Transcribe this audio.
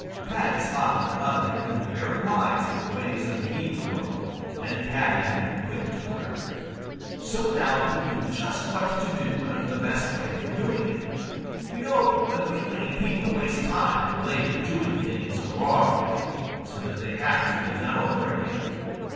Paddy's father and mother had been very wise in the ways of the Beaver world, and Paddy had been quick to learn. So now he knew just what to do and the best way of doing it. You know a great many people waste time and labor doing things the wrong way, so that they have to be done over again.